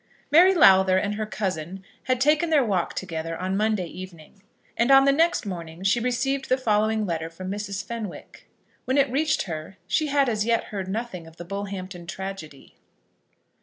Mary Lowther and her cousin had taken their walk together on Monday evening, and on the next morning she received the following letter from Mrs. Fenwick. When it reached her she had as yet heard nothing of the Bullhampton tragedy.